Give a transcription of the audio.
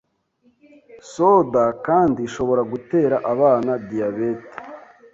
Soda kandi ishobora gutera abana diyabete,